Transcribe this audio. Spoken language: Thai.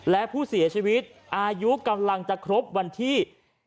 และผู้เสียชีวิตอายุกำลังจะครบวันที่